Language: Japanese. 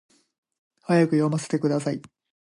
早く読ませてください